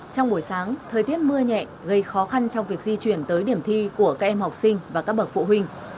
trong buổi sáng thời tiết mưa nhẹ gây khó khăn trong việc di chuyển tới điểm thi của các em học sinh và các bậc phụ huynh